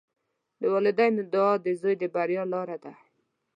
د والدینو دعا د زوی د بریا لاره ده.